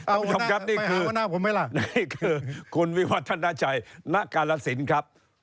ไปหาหัวหน้าผมไว้ล่ะนี่คือคุณวิวัฒนาชัยณการสินครับ